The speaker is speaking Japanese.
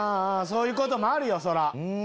そういうこともあるよそら。